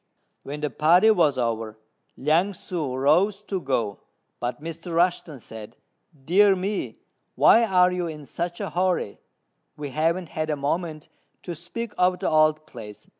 When the partie was over Liang ssŭ rose to go, but Mr. Rushten said, "Dear me! why are you in such a hurry; we haven't had a moment to speak of the old place.